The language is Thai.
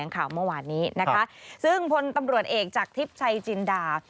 ข่าวเมื่อวานนี้นะคะซึ่งพลตำรวจเอกจากทิพย์ชัยจินดา